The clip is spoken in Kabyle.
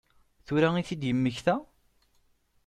Tura i tt-id-yemmekta?